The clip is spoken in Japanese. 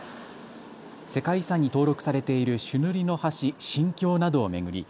世界遺産に登録されている朱塗りの橋、神橋などを巡り